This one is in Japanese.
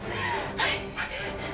はい。